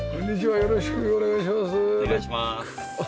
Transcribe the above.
よろしくお願いします。